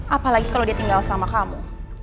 apalagi kalau dia tinggal sama kamu